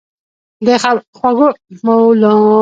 د خوړو پر مهال خبرې کول ښه دي؟